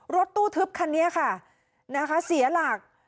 รถตู้ทึบคันนี้ค่ะนะคะเสียหลัก